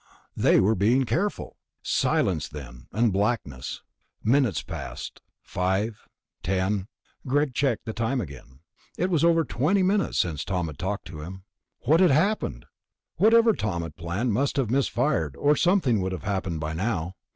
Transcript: They were being careful! Silence then, and blackness. Minutes passed ... five, ten.... Greg checked the time again. It was over twenty minutes since Tom had talked to him. What had happened? Whatever Tom had planned must have misfired, or something would have happened by now.